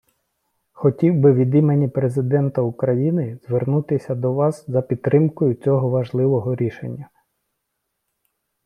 Хотів би від імені Президента України звернутися до вас за підтримкою цього важливого рішення.